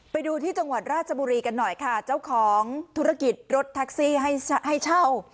ไปดูที่จังหวัดราชบุรีกันหน่อยค่ะเจ้าของธุรกิจรถแท็กซี่ให้เช่า